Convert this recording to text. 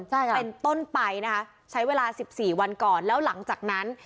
เป็นต้นไปนะว้ระ๑๔วันก่อนแล้วหลังจากนั้น